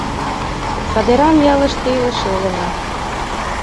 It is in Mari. Садеран ялыштет илыше улына.